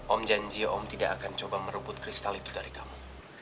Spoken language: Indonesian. om janji om tidak akan coba merebut kristal itu dari kamu